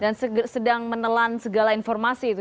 dan sedang menelan segala informasi itu